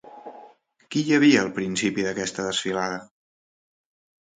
Qui hi havia al principi d'aquesta desfilada?